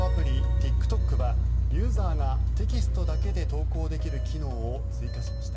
ＴｉｋＴｏｋはユーザーがテキストだけで投稿できる機能を追加しました。